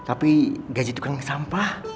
tapi gaji tukang sampah